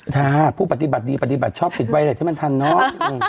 ค่ะผู้ปฏิบัติดีปฏิบัติชอบติดไวเล็ตที่มันทันเนาะ